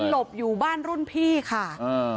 หลบอยู่บ้านรุ่นพี่ค่ะอ่า